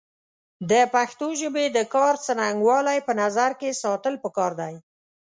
د پښتو ژبې د کار څرنګوالی په نظر کې ساتل پکار دی